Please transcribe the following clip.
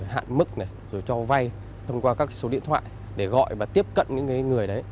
hạn mức cho vay thông qua các số điện thoại để gọi và tiếp cận những người đấy